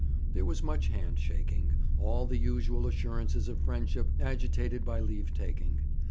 There was much hand shaking all the usual assurances of friendship agitated by leave taking.